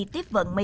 tiếp vận mỹ